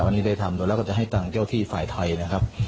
วันนี้ได้ทำโดยแล้วก็จะให้ทางเจ้าที่ฝ่ายไทยนะครับ